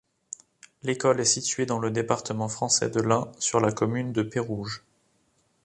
L'école est située dans le département français de l'Ain, sur la commune de Pérouges.